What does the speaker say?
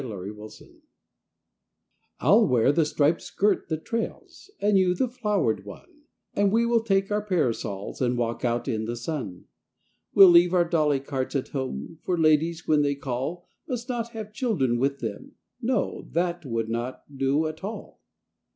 VISITING DAY I'll wear the striped skirt that trails, And you the flowered one, And we will take our parasols And walk out in the sun. We'll leave our dolly carts at home, For ladies, when they call, Must not have children with them, no, That would not do at all.